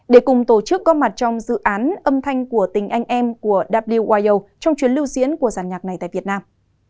để cùng tổ chức có mặt trong dự án âm thanh của tình anh em của wido trong chuyến lưu diễn của giàn nhạc này tại việt nam